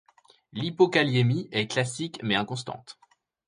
L'hypokaliémie est classique mais inconstante.